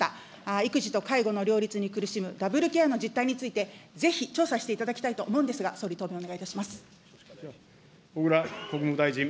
育児と介護の両立に苦しむダブルケアの実態について、ぜひ、調査していただきたいと思うんですが、総理、答弁をお願いいたします。